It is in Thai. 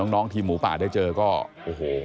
น้องทีมหมูป่าได้เจอก็โอ้โห